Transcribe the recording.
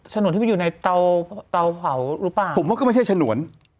ฉนวนที่ไปอยู่ในเตาเผาหรือเปล่าผมว่าก็ไม่ใช่ฉนวน